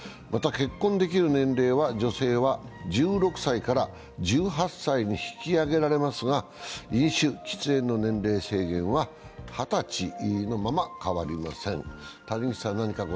また、結婚できる年齢は女性は１６歳から１８歳に引き上げられますが、飲酒、喫煙の年齢制限は二十歳のまま変わりません。